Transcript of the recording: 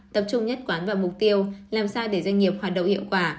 tập trung nhất quán vào mục tiêu làm sao để doanh nghiệp hoạt động hiệu quả